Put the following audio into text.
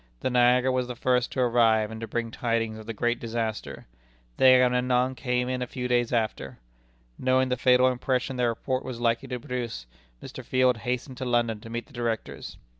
The Niagara was the first to arrive and to bring tidings of the great disaster. The Agamemnon came in a few days after. Knowing the fatal impression their report was likely to produce, Mr. Field hastened to London to meet the Directors.